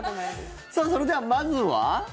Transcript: それでは、まずは。